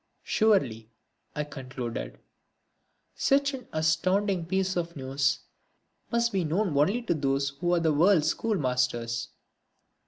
Surely, I concluded, such an astounding piece of news must be known only to those who are the world's schoolmasters!